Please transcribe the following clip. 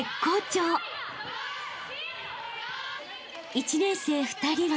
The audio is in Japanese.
［１年生２人は］